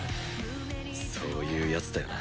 そういうヤツだよな。